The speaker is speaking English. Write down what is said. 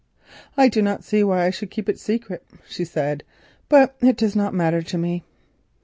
"I do not see why I should keep it secret," she said; "but it does not matter to me."